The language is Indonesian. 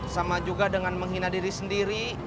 sama juga dengan menghina diri sendiri